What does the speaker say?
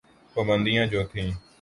پابندیاں جو تھیں۔